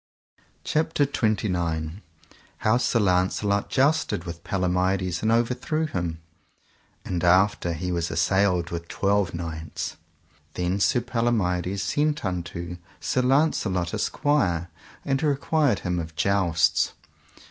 CHAPTER XXVIII. How Sir Launcelot jousted with Palomides and overthrew him, and after he was assailed with twelve knights. Then Sir Palomides sent unto Sir Launcelot a squire, and required him of jousts.